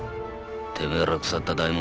てめえら腐った代紋